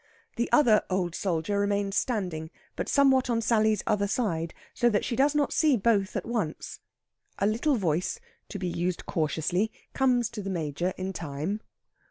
The other old soldier remains standing, but somewhat on Sally's other side, so that she does not see both at once. A little voice, to be used cautiously, comes to the Major in time.